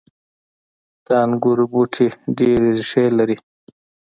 • د انګورو بوټي ډیرې ریښې لري.